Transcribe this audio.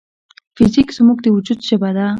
فزیک زموږ د وجود ژبه ده.